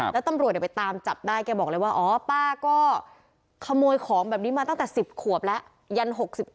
แล้วตำรวจไปตามจับได้แกบอกเลยว่าอ๋อป้าก็ขโมยของแบบนี้มาตั้งแต่๑๐ขวบแล้วยัน๖๑